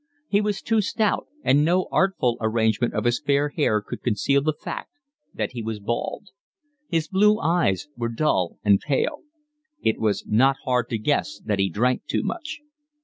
He was too stout and no artful arrangement of his fair hair could conceal the fact that he was bald. His blue eyes were dull and pale. It was not hard to guess that he drank too much.